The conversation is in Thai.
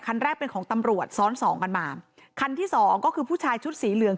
คันแรกเป็นของตำรวจซ้อนสองกันมาคันที่สองก็คือผู้ชายชุดสีเหลือง